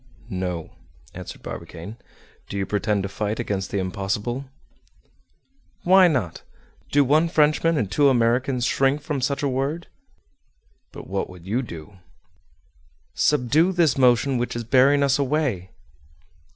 "No," answered Barbicane. "Do you pretend to fight against the impossible?" "Why not? Do one Frenchman and two Americans shrink from such a word?" "But what would you do?" "Subdue this motion which is bearing us away."